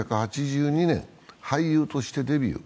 １９８２年、俳優としてデビュー。